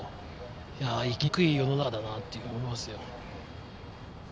いやあ生きにくい世の中だなっていうふうに思いますよ。